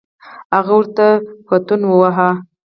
هغه ورته پتون وواهه.